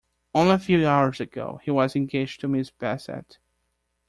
Only a few hours ago he was engaged to Miss Bassett.